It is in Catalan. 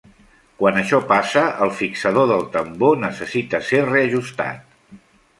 Quan això passa, el fixador del tambor necessita ser reajustat.